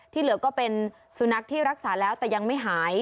เหลือก็เป็นสุนัขที่รักษาแล้วแต่ยังไม่หาย